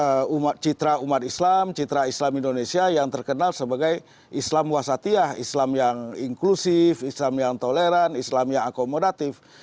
islam citra umat islam citra islam indonesia yang terkenal sebagai islam wasatiyah islam yang inklusif islam yang toleran islam yang akomodatif